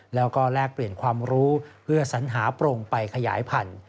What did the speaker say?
แล้วก็แลกเปลี่ยนความรู้เพื่อสัญหาโปร่งไปขยายพันธุ์